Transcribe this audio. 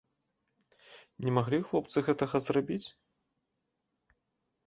Не маглі хлопцы гэтага зрабіць?